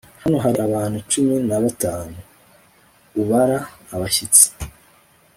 hano hari abantu cumi na batanu, ubara abashyitsi